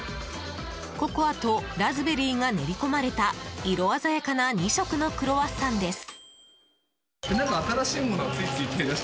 ココアとラズベリーが練り込まれた色鮮やかな２色のクロワッサンです。